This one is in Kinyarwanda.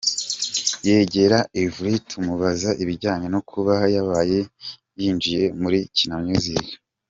com yegera Yverry tumubaza ibijyanye no kuba yaba yinjiye muri Kina Music.